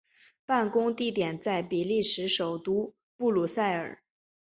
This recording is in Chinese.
办公地点在比利时首都布鲁塞尔。